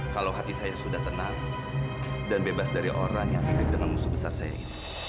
kalau hati saya sudah tenang dan bebas dari orang yang mirip dengan musuh besar saya ini